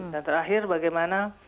dan terakhir bagaimana